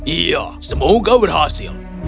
iya semoga berhasil